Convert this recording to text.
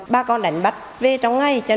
ba con đánh bắt về trong ngày